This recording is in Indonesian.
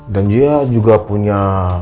dan dia juga punya